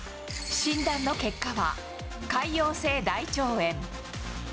診断の結果は、潰瘍性大腸炎。